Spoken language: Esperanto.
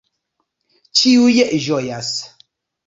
Ĉiuj ĝojas.